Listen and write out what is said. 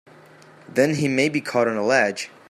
Then he may be caught on a ledge!